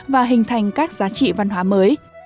và hình thành các giá trị văn hóa mới